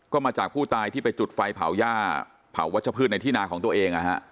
ก็มาจากผู้ตายที่ไปจุดไฟเผาย่าเผาวัชพืชในที่นาของตัวเอง